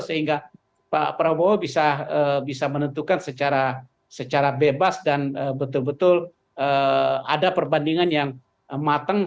sehingga pak prabowo bisa menentukan secara bebas dan betul betul ada perbandingan yang matang